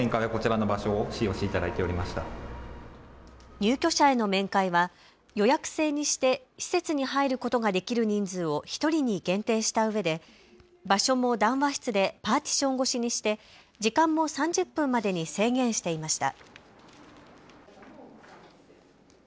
入居者への面会は予約制にして施設に入ることができる人数を１人に限定したうえで場所も談話室でパーティション越しにして時間も３０分までに制限していました。